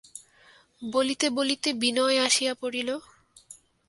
বলিতে বলিতে বিনয় আসিয়া পড়িল।